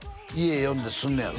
家呼んですんねやろ？